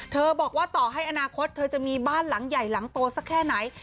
บอกว่าต่อให้อนาคตเธอจะมีบ้านหลังใหญ่หลังโตสักแค่ไหน